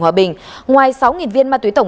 hòa bình ngoài sáu viên ma túy tổng